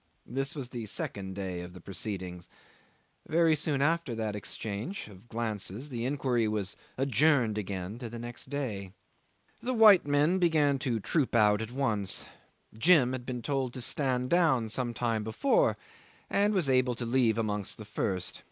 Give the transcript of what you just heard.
This was the second day of the proceedings. Very soon after that exchange of glances the inquiry was adjourned again to the next day. The white men began to troop out at once. Jim had been told to stand down some time before, and was able to leave amongst the first.